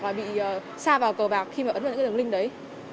và bị xa vào cờ bạc khi mà ấn vào những cái đường link đấy